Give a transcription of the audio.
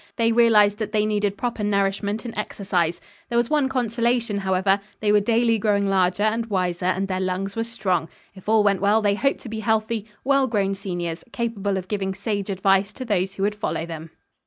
They realized that they needed proper nourishment and exercise. There was one consolation however, they were daily growing larger and wiser, and their lungs were strong. If all went well they hoped to be healthy, well grown seniors, capable of giving sage advice to those who would follow them.